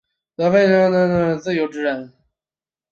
则弗里曼照字面上来看就是自由之人。